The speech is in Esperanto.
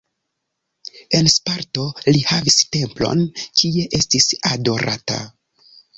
En Sparto li havis templon, kie estis adorata.